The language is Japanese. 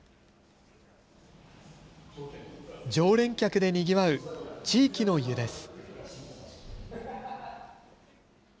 常連客でにぎわう地域の湯です。